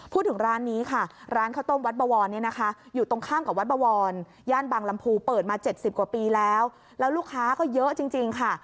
พูดถึงร้านนี้ค่ะร้านข้าวต้มมนต์วัดบวรน์